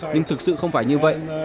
nhưng thực sự không phải như vậy